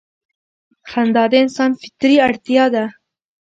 خندا د انسان فطري اړتیا ده.